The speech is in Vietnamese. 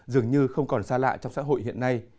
dường như không còn xa lạ trong xã hội hiện nay